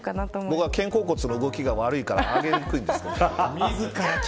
僕は肩甲骨の動きが悪いから挙げにくいんです。